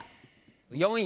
４位。